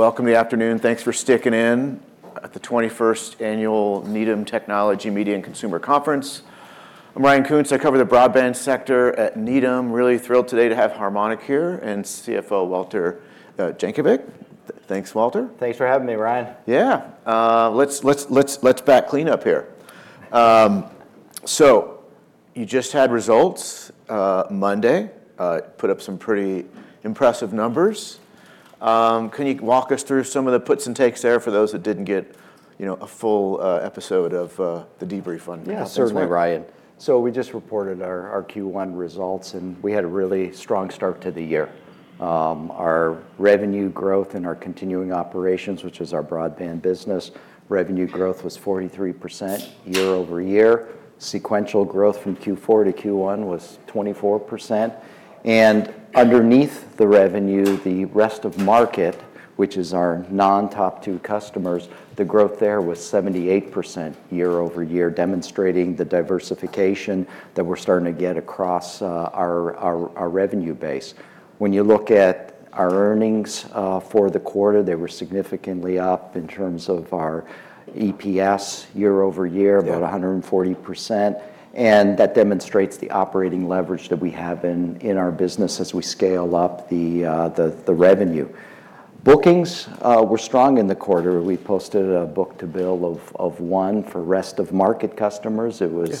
Well, welcome to the afternoon. Thanks for sticking in at the 21st Annual Needham Technology, Media and Consumer Conference. I'm Ryan Koontz. I cover the broadband sector at Needham. Really thrilled today to have Harmonic here, and CFO Walter Jankovic. Thanks, Walter. Thanks for having me, Ryan. Yeah. Let's bat clean-up here. You just had results Monday. Put up some pretty impressive numbers. Can you walk us through some of the puts and takes there for those that didn't get, you know, a full episode of the debrief? Yeah. Certainly, Ryan. We just reported our Q1 results, and we had a really strong start to the year. Our revenue growth and our continuing operations, which is our broadband business, revenue growth was 43% year-over-year. Sequential growth from Q4 to Q1 was 24%. Underneath the revenue, the rest of market, which is our non-top two customers, the growth there was 78% year-over-year, demonstrating the diversification that we're starting to get across our revenue base. When you look at our earnings for the quarter, they were significantly up in terms of our EPS year-over-year. Yeah about 140%. That demonstrates the operating leverage that we have in our business as we scale up the revenue. Bookings were strong in the quarter. We posted a book-to-bill of one for rest of market customers. Yeah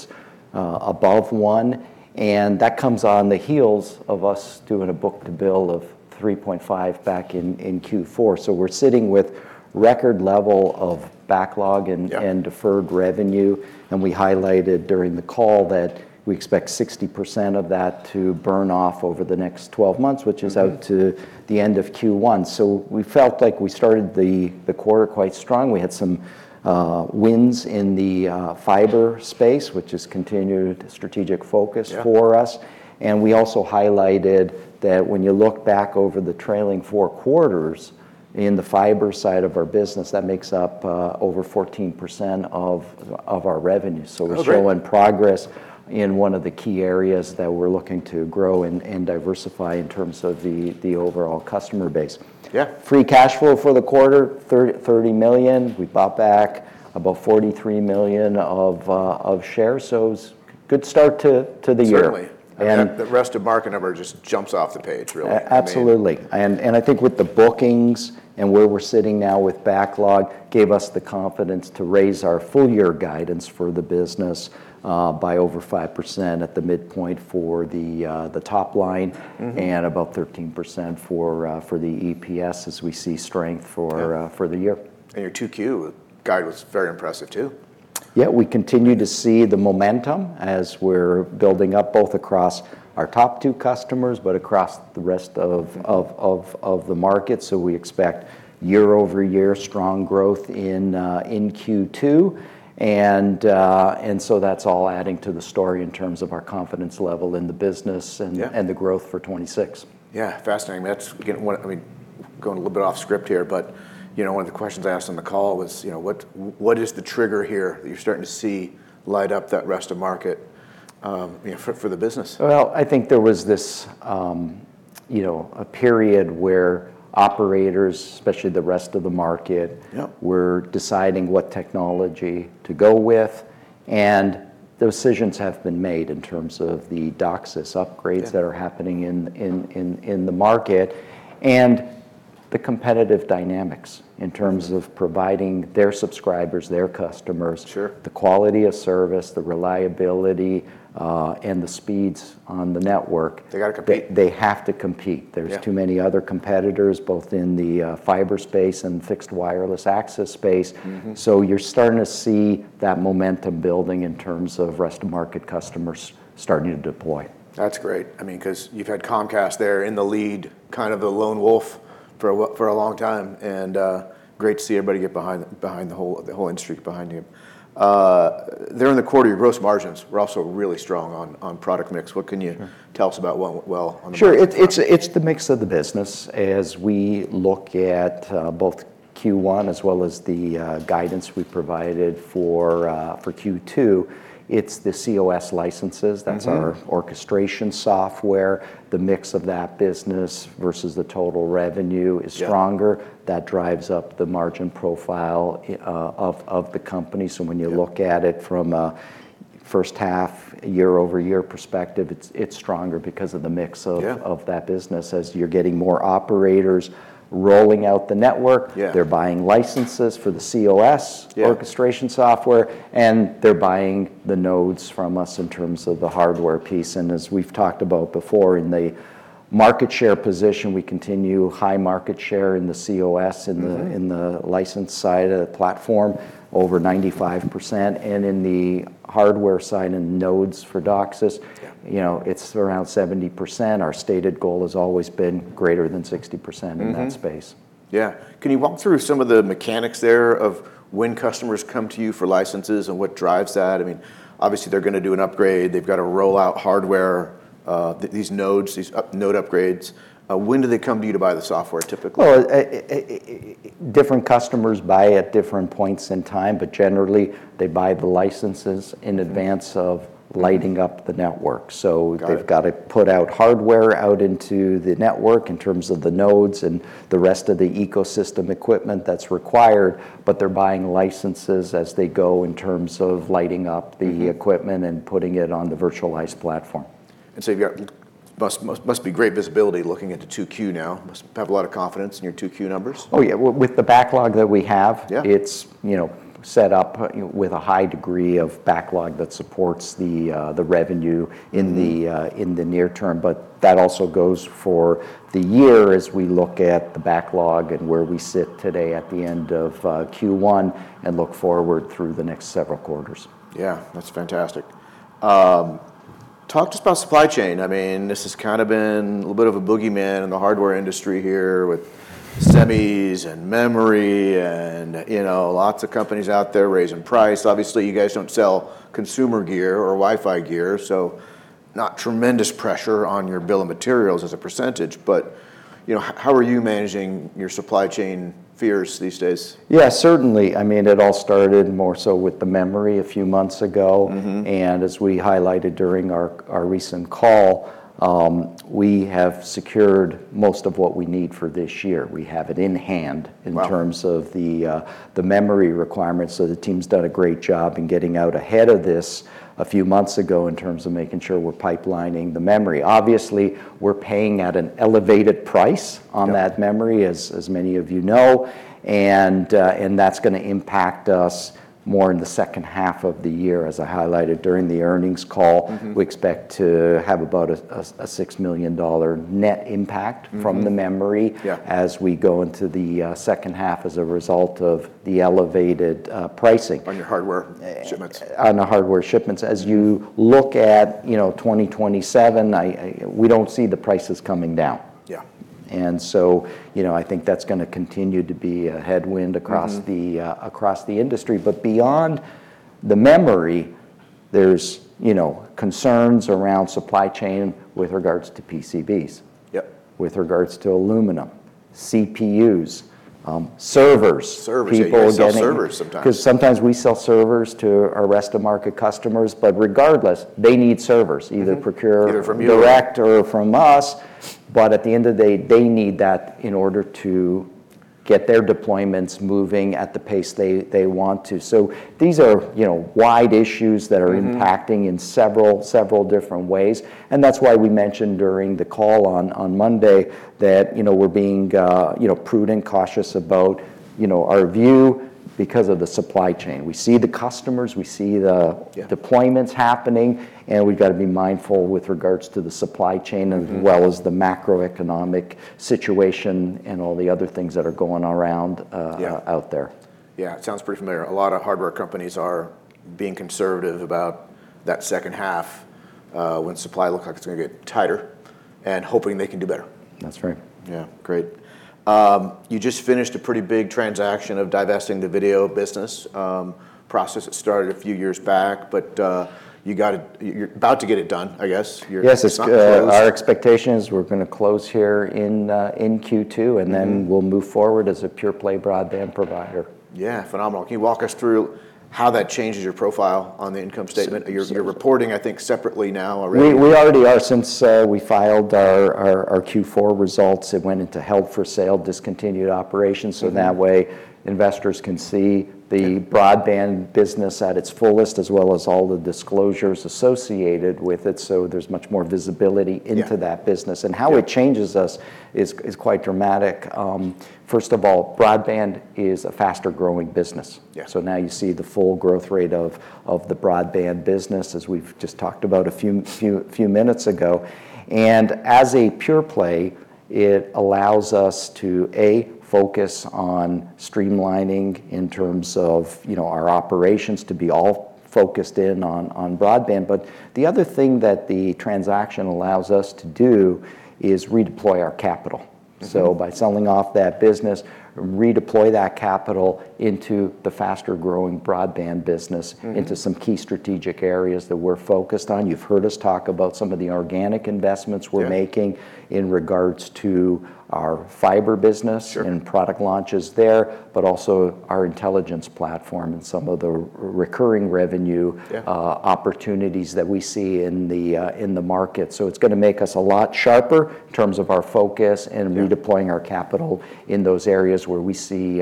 above one. That comes on the heels of us doing a book-to-bill of 3.5 back in Q4. We're sitting with record level of backlog and deferred revenue. We highlighted during the call that we expect 60% of that to burn off over the next 12 months. Which is out to the end of Q1. We felt like we started the quarter quite strong. We had some wins in the fiber space, which is continued strategic focus. Yeah for us. We also highlighted that when you look back over the trailing four quarters, in the fiber side of our business, that makes up over 14% of our revenue. Oh, great. Showing progress in one of the key areas that we're looking to grow and diversify in terms of the overall customer base. Yeah. Free cash flow for the quarter, $30 million. We bought back about $43 million of shares, so it's good start to the year. Certainly. And- That rest of market number just jumps off the page, really. Absolutely, and I think with the bookings and where we're sitting now with backlog, gave us the confidence to raise our full-year guidance for the business by over 5% at the midpoint for the top line. About 13% for the EPS as we see strength. Yeah for the year. Your 2Q guide was very impressive, too. Yeah, we continue to see the momentum as we're building up both across our top two customers, but across the rest of the market, so we expect year-over-year strong growth in Q2. That's all adding to the story in terms of our confidence level in the business. Yeah The growth for 2026. Yeah. Fascinating. That's, again, what I mean, going a little bit off script here, but, you know, one of the questions I asked on the call was, you know, what is the trigger here that you're starting to see light up that rest of market, you know, for the business? Well, I think there was this, you know, a period where operators, especially the rest of the market. Yeah were deciding what technology to go with, and the decisions have been made in terms of the DOCSIS upgrades. Yeah that are happening in the market. The competitive dynamics in terms of providing their subscribers, their customers. Sure the quality of service, the reliability, and the speeds on the network. They gotta compete. They have to compete. Yeah. There's too many other competitors, both in the fiber space and fixed wireless access space. You're starting to see that momentum building in terms of rest of market customers starting to deploy. That's great, I mean, 'cause you've had Comcast there in the lead, kind of the lone wolf for a long time. Great to see everybody get behind the whole industry behind you. There in the quarter, your gross margins were also really strong on product mix. What can you tell us about went well on the margin front? Sure. It's the mix of the business. As we look at both Q1 as well as the guidance we provided for Q2, it's the cOS licenses. That's our orchestration software. The mix of that business versus the total revenue is- Yeah stronger. That drives up the margin profile, of the company. Yeah. When you look at it from a first half year-over-year perspective, it's stronger. Yeah of that business, as you're getting more operators rolling out the network. Yeah. They're buying licenses for the cOS. Yeah orchestration software, they're buying the nodes from us in terms of the hardware piece. As we've talked about before, in the market share position, we continue high market share in the cOS. In the license side of the platform, over 95%. In the hardware side in nodes for DOCSIS- Yeah you know, it's around 70%. Our stated goal has always been greater than 60% in that space. Mm-hmm. Yeah. Can you walk through some of the mechanics there of when customers come to you for licenses and what drives that? I mean, obviously, they're gonna do an upgrade. They've gotta roll out hardware, these nodes, these node upgrades. When do they come to you to buy the software typically? Well, different customers buy at different points in time, but generally, they buy the licenses in advance of lighting up the network. Got it. They've gotta put out hardware out into the network in terms of the nodes and the rest of the ecosystem equipment that's required, but they're buying licenses as they go in terms of lighting up equipment and putting it on the virtualized platform. You've got, must be great visibility looking into 2Q now. Must have a lot of confidence in your 2Q numbers. Oh, yeah. Well, with the backlog that we have. Yeah it's, you know, set up, you know, with a high degree of backlog that supports the revenue in the near term. That also goes for the year as we look at the backlog and where we sit today at the end of Q1 and look forward through the next several quarters. Yeah. That's fantastic. Talk to us about supply chain. I mean, this has kind of been a little bit of a boogeyman in the hardware industry here with semis and memory and, you know, lots of companies out there raising price. Obviously, you guys don't sell consumer gear or Wi-Fi gear, so not tremendous pressure on your bill of materials as a percentage. You know, how are you managing your supply chain fears these days? Yeah, certainly. I mean, it all started more so with the memory a few months ago. As we highlighted during our recent call, we have secured most of what we need for this year. We have it in hand. Wow in terms of the memory requirements. The team's done a great job in getting out ahead of this a few months ago in terms of making sure we're pipelining the memory. Obviously, we're paying at an elevated price on that memory. Yeah as many of you know, and that's gonna impact us more in the second half of the year, as I highlighted during the earnings call. We expect to have about a $6 million net impact from the memory- Yeah as we go into the second half as a result of the elevated pricing. On your hardware shipments. On the hardware shipments, as you look at, you know, 2027, We don't see the prices coming down. Yeah. You know, I think that's gonna continue to be a headwind across the industry. Beyond the memory, there's, you know, concerns around supply chain with regards to PCBs. Yep with regards to aluminum, CPUs, servers. Servers. People getting- Yeah, you sell servers sometimes. 'cause sometimes we sell servers to our rest of market customers. Regardless, they need servers either procured- Either from you or- direct or from us, but at the end of the day, they need that in order to get their deployments moving at the pace they want to. These are, you know, wide issues that are impacting in several different ways, that's why we mentioned during the call on Monday that, you know, we're being, you know, prudent, cautious about, you know, our view because of the supply chain. We see the customers. Yeah. Deployments happening. We've got to be mindful with regards to the supply chain as well as the macroeconomic situation and all the other things that are going around. Yeah out there. Yeah. Sounds pretty familiar. A lot of hardware companies are being conservative about that second half, when supply looks like it's gonna get tighter, hoping they can do better. That's right. Yeah. Great. You just finished a pretty big transaction of divesting the video business. Process that started a few years back, you're about to get it done, I guess. Yes, it's. about to close. our expectation is we're gonna close here in Q2. We'll move forward as a pure play broadband provider. Yeah. Phenomenal. Can you walk us through how that changes your profile on the income statement? You're reporting, I think, separately now already. We already are since we filed our Q4 results. It went into held-for-sale discontinued operations that way investors can see the broadband business at its fullest, as well as all the disclosures associated with it, so there's much more visibility into that business. Yeah. How it changes us is quite dramatic. First of all, broadband is a faster growing business. Yeah. Now you see the full growth rate of the broadband business, as we've just talked about a few minutes ago. As a pure play, it allows us to, A, focus on streamlining in terms of, you know, our operations to be all focused in on broadband. The other thing that the transaction allows us to do is redeploy our capital. By selling off that business, redeploy that capital into the faster growing broadband business into some key strategic areas that we're focused on. You've heard us talk about some of the organic investments we're making. Yeah in regards to our fiber business Sure Product launches there, but also our intelligence platform and some of the recurring revenue. Yeah opportunities that we see in the market. It's gonna make us a lot sharper in terms of our focus. Yeah redeploying our capital in those areas where we see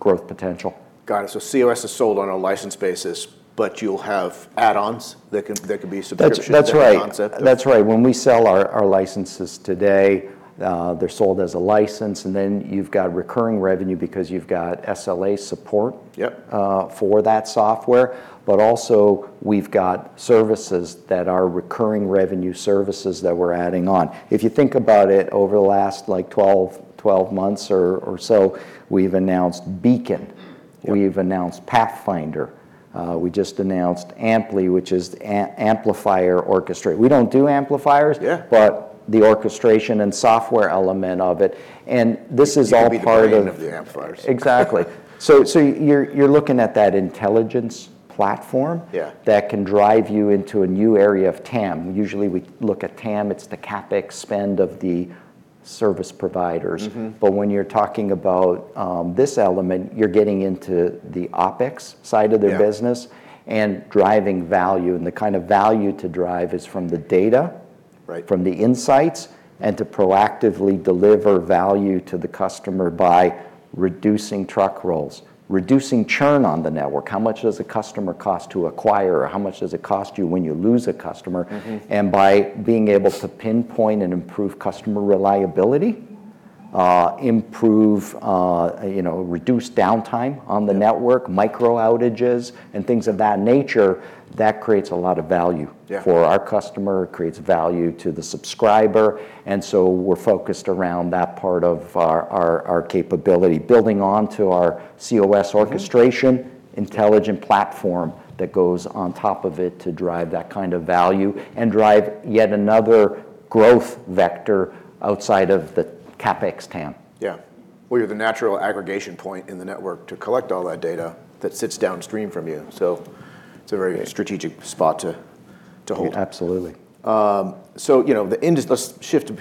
growth potential. Got it. cOS is sold on a license basis, but you'll have add-ons that could be subscriptions. That's right. kind of concept of- That's right. When we sell our licenses today, they're sold as a license, and then you've got recurring revenue because you've got SLA support. Yep For that software. Also we've got services that are recurring revenue services that we're adding on. If you think about it, over the last, like, 12 months or so, we've announced Beacon. Yep. We've announced Pathfinder. We just announced Amply, which is amplifier orchestrate. We don't do amplifiers. Yeah The orchestration and software element of it. You can be the brain of the amplifiers. Exactly. You're looking at that intelligence platform. Yeah that can drive you into a new area of TAM. Usually we look at TAM, it's the CapEx spend of the service providers. When you're talking about, this element, you're getting into the OpEx side of their business. Yeah Driving value, and the kind of value to drive is from the data- Right From the insights, to proactively deliver value to the customer by reducing truck rolls, reducing churn on the network. How much does a customer cost to acquire, how much does it cost you when you lose a customer? By being able to pinpoint and improve customer reliability, improve, you know, reduce downtime on the network. MIcro outages and things of that nature, that creates a lot of value. Yeah for our customer, creates value to the subscriber. We're focused around that part of our capability. Building on to our cOS orchestration. intelligent platform that goes on top of it to drive that kind of value, and drive yet another growth vector outside of the CapEx TAM. Yeah. Well, you're the natural aggregation point in the network to collect all that data that sits downstream from you, so it's a very strategic spot to hold. Absolutely. You know, let's shift to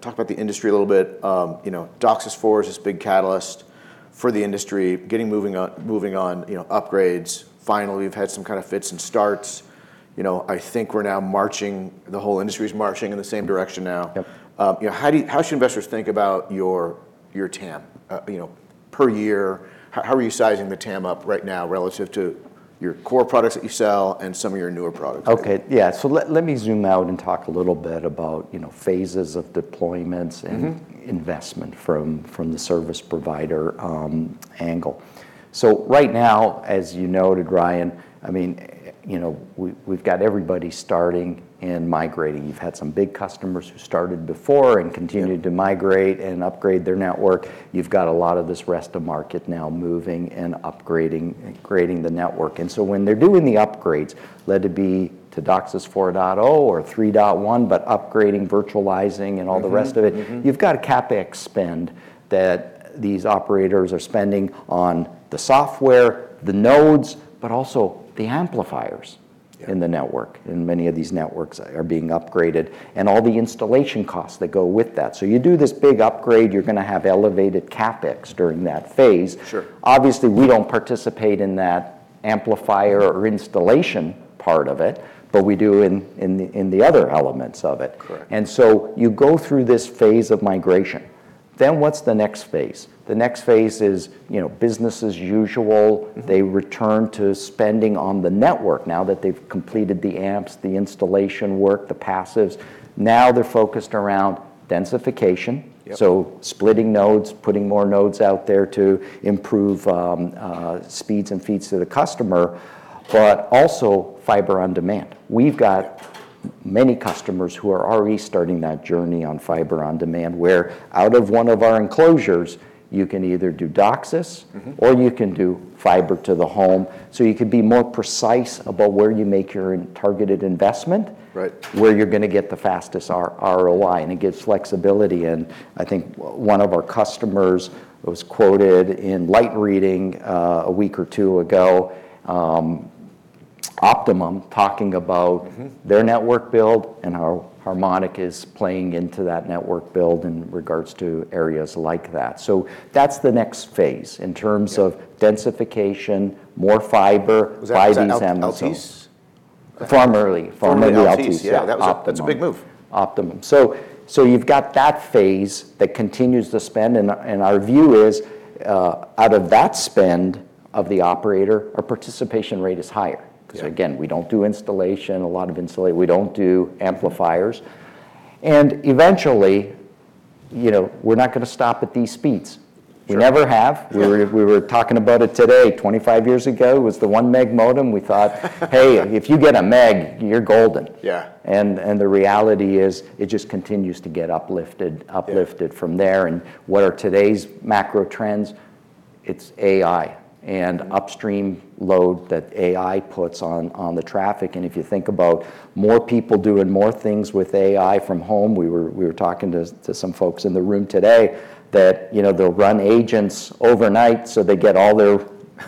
talk about the industry a little bit. You know, DOCSIS 4.0 Is this big catalyst for the industry, getting moving on, you know, upgrades. Finally, we've had some kind of fits and starts. You know, I think we're now marching, the whole industry's marching in the same direction now. Yep. You know, how do you, how should investors think about your TAM? you know, per year, how are you sizing the TAM up right now relative to your core products that you sell and some of your newer products? Okay. Yeah, let me zoom out and talk a little bit about, you know, phases of deployments and investment from the service provider angle. Right now, as you noted, Ryan, I mean, you know, we've got everybody starting and migrating. You've had some big customers who started before. Yeah Continue to migrate and upgrade their network. You've got a lot of this rest of market now moving and upgrading, and creating the network. When they're doing the upgrades, let it be to DOCSIS 4.0 or 3.1, but upgrading, virtualizing, and all the rest of it. Mm-hmm, mm-hmm. You've got a CapEx spend that these operators are spending on the software, the nodes, but also the amplifiers. Yeah in the network, and many of these networks are being upgraded, and all the installation costs that go with that. You do this big upgrade, you're gonna have elevated CapEx during that phase. Sure. Obviously, we don't participate in that amplifier or installation part of it, but we do in the other elements of it. Correct. You go through this phase of migration. What's the next phase? The next phase is, you know, business as usual. They return to spending on the network now that they've completed the amps, the installation work, the passives. Now they're focused around densification. Yep. Splitting nodes, putting more nodes out there to improve speeds and feeds to the customer, but also Fiber-on-Demand. We've got many customers who are already starting that journey on Fiber-on-Demand, where out of one of our enclosures, you can either do DOCSIS or you can do Fiber to the Home. You can be more precise about where you make your targeted investment. Right where you're gonna get the fastest ROI. It gives flexibility. I think one of our customers was quoted in Light Reading a week or two ago, Optimum talking about their network build, and how Harmonic is playing into that network build in regards to areas like that. That's the next phase. Yeah In terms of densification, more fiber, buy these Altice. Was that Altice? Formerly. Formerly Altice. Formerly Altice. Yeah. Yeah. Optimum. That's a big move. Optimum. You've got that phase that continues to spend, and our view is, out of that spend of the operator, our participation rate is higher. Yeah. 'Cause again, we don't do installation, we don't do amplifiers. Eventually, you know, we're not gonna stop at these speeds. Sure. We never have. We were talking about it today, 25 years ago was the 1-Meg modem. We thought. Hey, if you get a Meg, you're golden. Yeah. The reality is, it just continues to get uplifted. Yeah uplifted from there. What are today's macro trends? It's AI. Upstream load that AI puts on the traffic, and if you think about more people doing more things with AI from home, we were talking to some folks in the room today that, you know, they'll run agents overnight so they get all their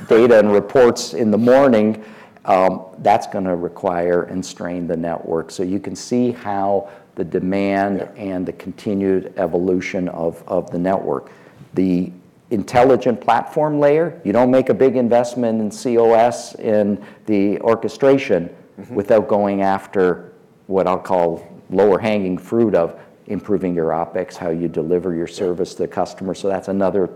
data and reports in the morning. That's gonna require and strain the network. You can see how the demand. Yeah The continued evolution of the network. The intelligent platform layer, you don't make a big investment in cOS. In the orchestration without going after what I'll call lower hanging fruit of improving your OpEx, how you deliver your service to the customer. That's another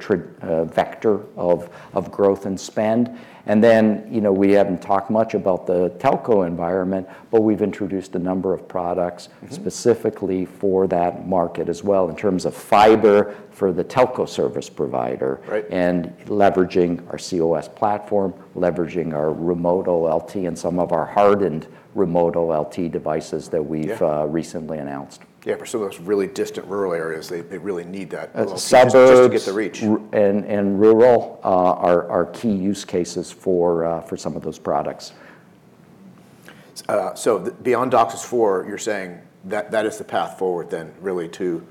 vector of growth and spend. You know, we haven't talked much about the telco environment, but we've introduced a number of products specifically for that market as well in terms of fiber for the telco service provider. Right. Leveraging our cOS platform, leveraging our remote OLT, and some of our hardened remote OLT devices that we've recently announced. Yeah, for some of those really distant rural areas, they really need that OLT. The suburbs. just to get the reach. Rural are key use cases for some of those products. Beyond DOCSIS 4.0, you're saying that is the path forward then really to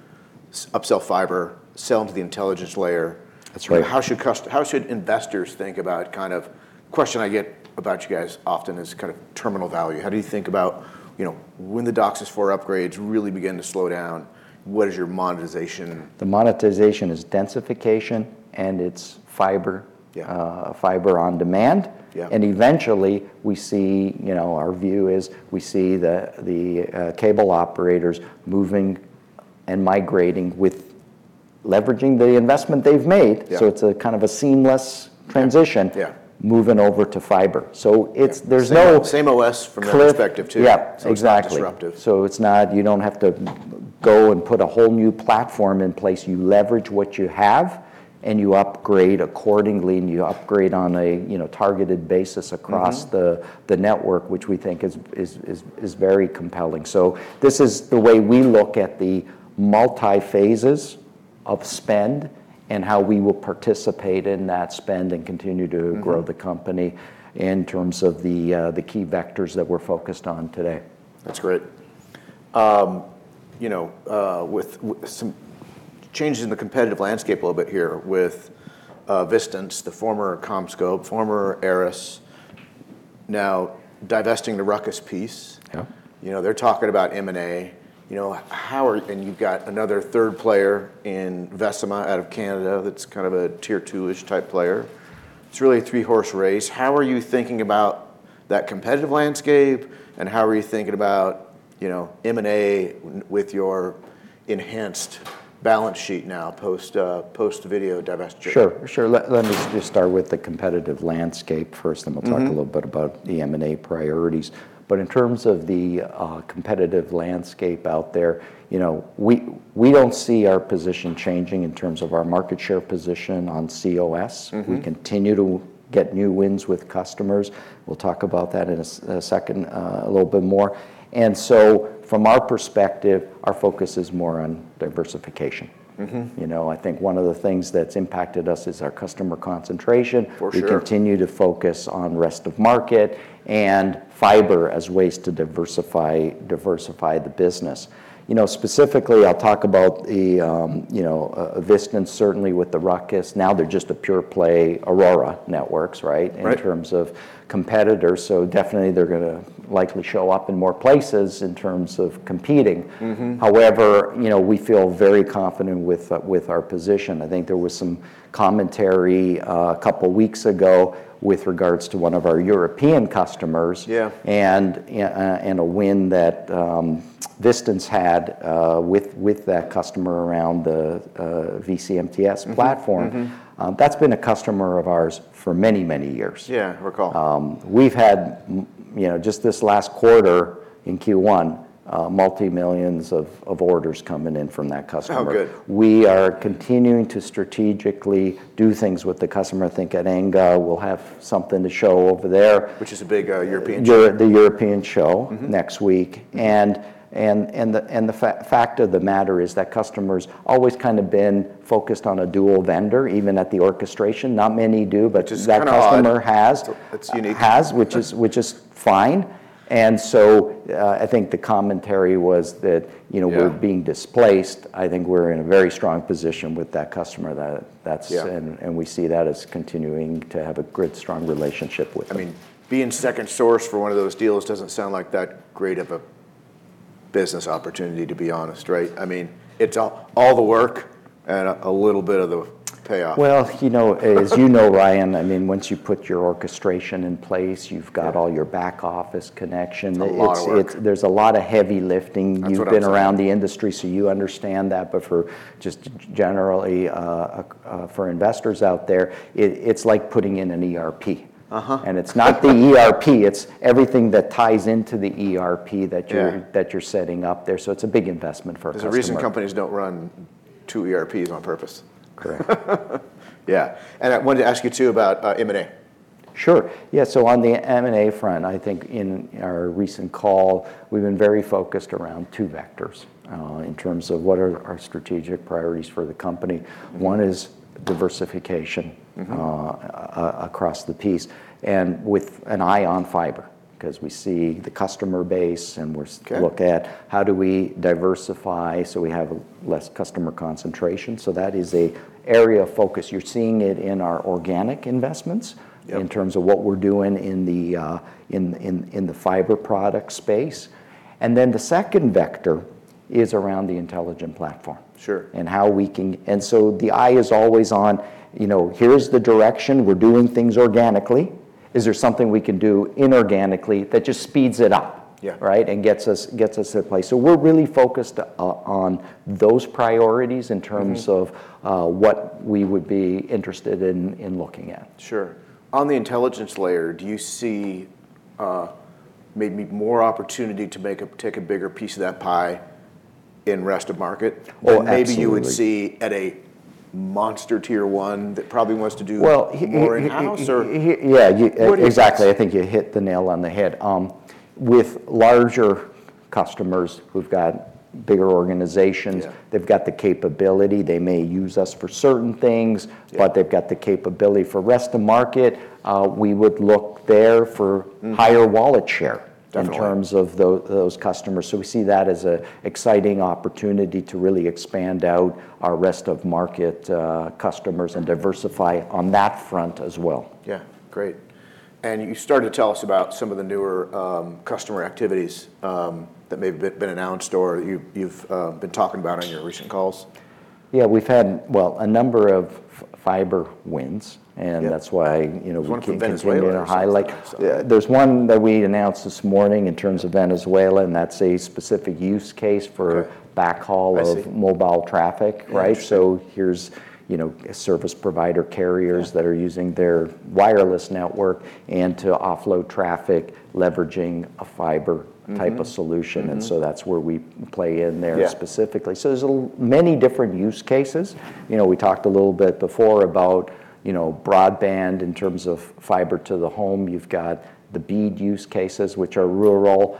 upsell fiber, sell into the intelligence layer. That's right. How should investors think about kind of, question I get about you guys often is kind of terminal value. How do you think about, you know, when the DOCSIS 4.0 Upgrades really begin to slow down, what is your monetization? The monetization is densification, and it's fiber-. Yeah Fiber-on-Demand. Yeah. Eventually, we see, you know, our view is we see the, cable operators moving and migrating with leveraging the investment they've made. Yeah. It's a kind of a seamless transition. Yeah moving over to fiber. Same OS from that perspective too. Yeah, exactly. It's not disruptive. It's not, you don't have to go and put a whole new platform in place. You leverage what you have, and you upgrade accordingly, and you upgrade on a, you know, targeted basis across the network, which we think is very compelling. This is the way we look at the multi-phases of spend and how we will participate in that spend and continue to grow the company in terms of the key vectors that we're focused on today. That's great. You know, with some changes in the competitive landscape a little bit here with Vistance Networks, the former CommScope, former ARRIS, now divesting the RUCKUS piece. Yeah. You know, they're talking about M&A. You know, you've got another third player in Vecima out of Canada that's kind of a tier two-ish type player. It's really a three-horse race. How are you thinking about that competitive landscape, and how are you thinking about, you know, M&A with your enhanced balance sheet now post post video divestiture? Sure. Let me just start with the competitive landscape first. We'll talk a little bit about the M&A priorities. In terms of the, competitive landscape out there, you know, we don't see our position changing in terms of our market share position on cOS. We continue to get new wins with customers. We'll talk about that in a second, a little bit more. From our perspective, our focus is more on diversification. You know, I think one of the things that's impacted us is our customer concentration. For sure. We continue to focus on rest of market and fiber as ways to diversify the business. You know, specifically I'll talk about the, you know, Vistance certainly with the RUCKUS. Now they're just a pure play Aurora Networks. Right In terms of competitors, definitely they're gonna likely show up in more places in terms of competing. You know, we feel very confident with our position. I think there was some commentary, a couple weeks ago with regards to one of our European customers. Yeah. A win that Vistance had with that customer around the vCMTS platform. Mm-hmm, mm-hmm. That's been a customer of ours for many years. Yeah, I recall. We've had you know, just this last quarter in Q1, multi-millions of orders coming in from that customer. Oh, good. We are continuing to strategically do things with the customer. I think at ANGA we'll have something to show over there. Which is a big European show. The European show. next week. The fact of the matter is that customer's always kind of been focused on a dual vendor, even at the orchestration. Not many do. Which is kind of odd. that customer has. It's unique. Has, which is fine. I think the commentary was that, you know. Yeah We're being displaced. I think we're in a very strong position with that customer. Yeah We see that as continuing to have a good, strong relationship with them. I mean, being second source for one of those deals doesn't sound like that great of a business opportunity, to be honest, right? I mean, it's all the work and a little bit of the payoff. Well, you know, as you know, Ryan, I mean, once you put your orchestration in place, you've got. Yeah all your back office connection. It's a lot of work. There's a lot of heavy lifting. That's what I'm saying. You've been around the industry, so you understand that, but for just generally, for investors out there, it's like putting in an ERP. It's not the ERP, it's everything that ties into the ERP. Yeah that you're setting up there, so it's a big investment for a customer. There's a reason companies don't run two ERPs on purpose. Correct. Yeah. I wanted to ask you too about M&A. Sure. Yeah, on the M&A front, I think in our recent call, we've been very focused around two vectors in terms of what are our strategic priorities for the company. One is diversification across the piece, and with an eye on fiber, 'cause we see the customer base and we're. Okay look at how do we diversify so we have less customer concentration. That is a area of focus. You're seeing it in our organic investments- Yeah in terms of what we're doing in the fiber product space. Then the second vector is around the intelligent platform. Sure and how we can. The eye is always on, you know, here's the direction, we're doing things organically. Is there something we can do inorganically that just speeds it up? Yeah. Right? gets us to the place. we're really focused on those priorities. What we would be interested in looking at. Sure. On the intelligence layer, do you see, maybe more opportunity to take a bigger piece of that pie in rest of market? Oh, absolutely. Maybe you would see at a monster tier 1 that probably wants to do. Well. more in house. He, yeah, you, exactly. what do you see? I think you hit the nail on the head. With larger customers who've got bigger organizations. Yeah they've got the capability. They may use us for certain things. Yeah They've got the capability for rest of market. We would look there for higher wallet share. Definitely In terms of those customers. We see that as a exciting opportunity to really expand out our rest of market, customers and diversify on that front as well. Yeah, great. You started to tell us about some of the newer customer activities that may have been announced or you've been talking about on your recent calls. Yeah, we've had, well, a number of fiber wins. Yeah. That's why, you know, we can continue. Talked about Venezuela. to highlight. So. Yeah, there's one that we announced this morning in terms of Venezuela, and that's a specific use case for- Okay backhaul of. I see. mobile traffic. Yeah. Right? Here's, you know, service provider carriers-. Yeah that are using their wireless network and to offload traffic leveraging a fiber type of solution. That's where we play in there. Yeah specifically. There's many different use cases. You know, we talked a little bit before about, you know, broadband in terms of Fiber-to-the-Home. You've got the BEAD use cases, which are rural,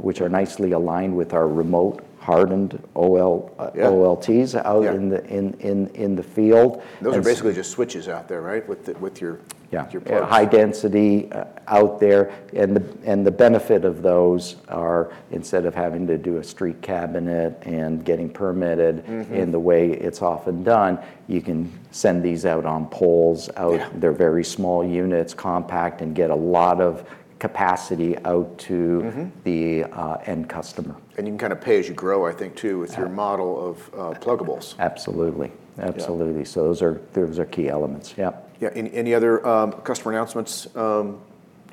which are nicely aligned with our remote hardened OLTs. Yeah out in the- Yeah in the field. Those are basically just switches out there, right. Yeah with your product. High density out there. The benefit of those are instead of having to do a street cabinet and getting permitted in the way it's often done, you can send these out on poles out. Yeah. They're very small units, compact, and get a lot of capacity out to the end customer. You can kind of pay as you grow, I think, too. Yeah with your model of, pluggables. Absolutely. Yeah. Absolutely. Those are key elements, yeah. Yeah. Any other customer announcements that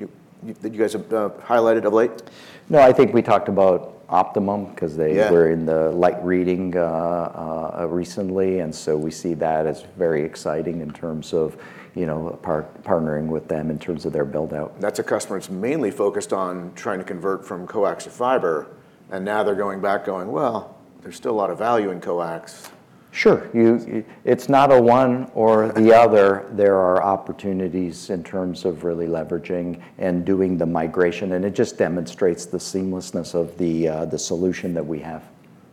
you guys have highlighted of late? No, I think we talked about Optimum. Yeah we're in the Light Reading, recently. We see that as very exciting in terms of, you know, partnering with them in terms of their build-out. That's a customer that's mainly focused on trying to convert from coax to fiber, and now they're going back going, "Well, there's still a lot of value in coax. Sure. You, it's not a one or the other. There are opportunities in terms of really leveraging and doing the migration, and it just demonstrates the seamlessness of the solution that we have.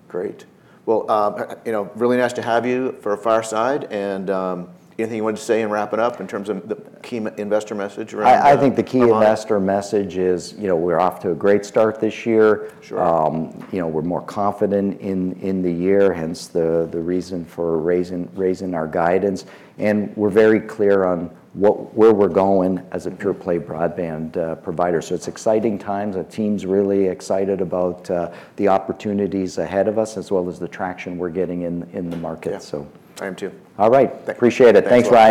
Great. Well, you know, really nice to have you for Fireside, and anything you wanted to say in wrapping up in terms of the key investor message around. I think the key investor message is, you know, we're off to a great start this year. Sure. You know, we're more confident in the year, hence the reason for raising our guidance, and we're very clear on what, where we're going as a pure play broadband provider. It's exciting times. The team's really excited about the opportunities ahead of us, as well as the traction we're getting in the market. Yeah. So. I am too. All right. Thank you. Appreciate it. Thanks, Ryan.